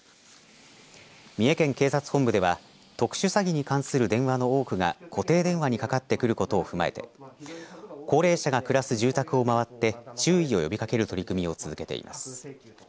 三重県警察本部では特殊詐欺に関する電話の多くが固定電話にかかってくることを踏まえて高齢者が暮らす住宅を回って注意を呼びかける取り組みを続けています。